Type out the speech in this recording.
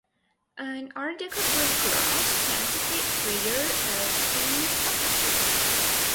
An Art Deco brick garage stands at the rear of the property.